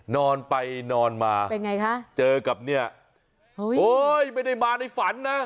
นอนไปนอนมาเป็นไงคะเจอกับเนี่ยโอ๊ยไม่ได้มาในฝันนะ